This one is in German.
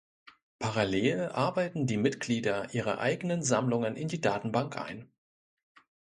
Parallel arbeiten die Mitglieder ihre eigenen Sammlungen in die Datenbank ein.